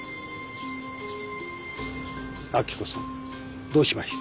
明子さん。どうしました？